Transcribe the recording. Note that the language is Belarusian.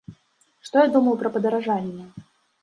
Што я думаю пра падаражанне?